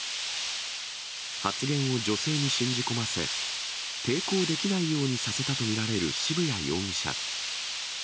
発言を女性に信じ込ませ、抵抗できないようにさせたと見られる渋谷容疑者。